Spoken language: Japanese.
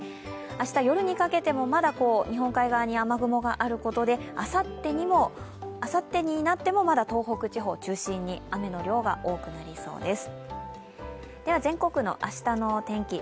明日夜にかけても、まだ日本海側に雨雲があることであさってになってもまだ東北地方を中心に雨の量が多くなりそうです。